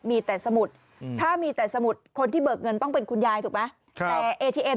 มีแต่สมุดถ้ามีแต่สมุดคนที่เบิกเงินต้องเป็นคุณยายถูกไหมแต่เอทีเอ็